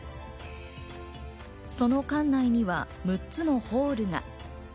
その館内には６つのホールが。